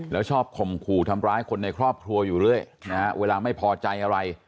แล้วชอบข่มขู่ทำร้ายคนในครอบครัวอยู่เรื่อยนะฮะเวลาไม่พอใจอะไร